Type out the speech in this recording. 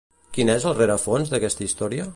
Quin és el rerefons d'aquesta història?